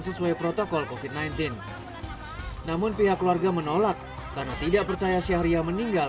sesuai protokol kofit sembilan belas namun pihak keluarga menolak karena tidak percaya syahria meninggal